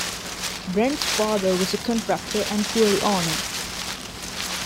Brent's father was a contractor and quarry owner.